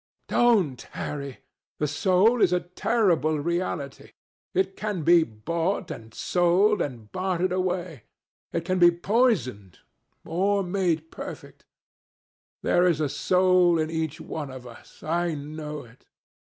"Don't, Harry. The soul is a terrible reality. It can be bought, and sold, and bartered away. It can be poisoned, or made perfect. There is a soul in each one of us. I know it."